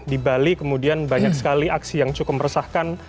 di bali kemudian banyak sekali aksi yang cukup meresahkan